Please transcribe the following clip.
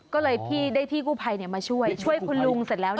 ก็เลยพี่ได้พี่กู้ภัยมาช่วยช่วยคุณลุงเสร็จแล้ว